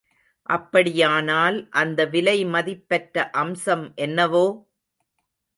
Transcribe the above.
அப்படியானால் அந்த விலை மதிப்பற்ற அம்சம் என்னவோ?